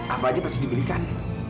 apa aja pasti diberikan